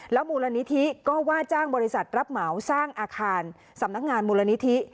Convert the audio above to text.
มูลนิธิก็ว่าจ้างบริษัทรับเหมาสร้างอาคารสำนักงานมูลนิธิ